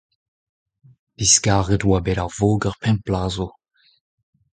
diskaret e oa bet ar voger pemp bloaz zo.